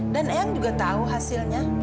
dan eang juga tahu hasilnya